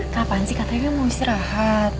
kapan sih kata nya mau istirahat